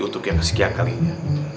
untuk yang kesekian kalinya